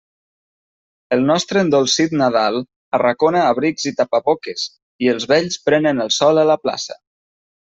El nostre endolcit Nadal arracona abrics i tapaboques, i els vells prenen el sol a la plaça.